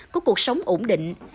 có cuộc sống ổn định